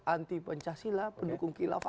anti pancasila pendukung khilafah